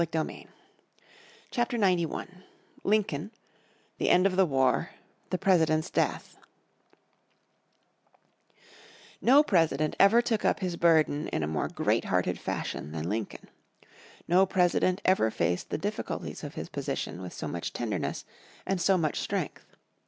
__________ Chapter 91 Lincoln The End of the War The President's Death No President ever took up his burden in a more great hearted fashion than Lincoln. No President ever faced the difficulties of his position with so much tenderness, and so much strength.